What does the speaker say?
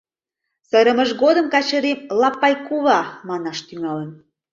Сырымыж годым Качырим «лапай кува» манаш тӱҥалын.